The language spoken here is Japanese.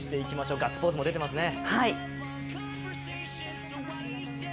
ガッツポーズも出ていますね。